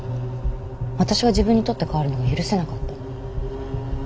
私が自分に取って代わるのが許せなかったの。